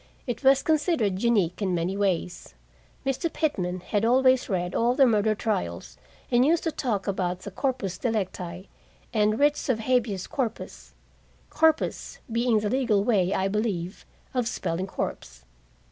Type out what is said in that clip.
It was considered unique in many ways. Mr. Pitman had always read all the murder trials, and used to talk about the corpus delicti and writs of habeas corpus corpus being the legal way, I believe, of spelling corpse.